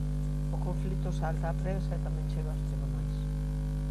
O conflito salta á prensa e tamén chega aos tribunais.